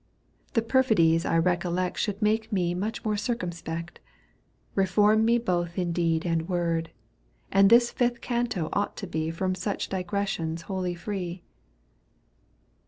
The pqrfidies I recollect Should make me much more circumspect, Eeform me both in deed and word. And this fifth canto ought to be From such digressions wholly free.